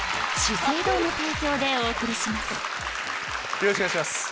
よろしくお願いします。